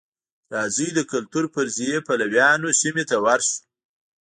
راځئ د کلتور فرضیې پلویانو سیمې ته ورشو.